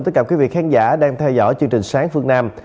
tất cả quý vị khán giả đang theo dõi chương trình sáng phương nam